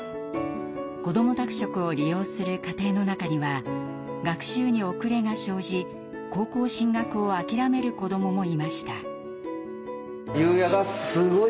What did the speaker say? こども宅食を利用する家庭の中には学習に遅れが生じ高校進学を諦める子どももいました。